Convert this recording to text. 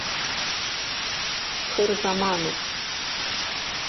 Хырзамануп!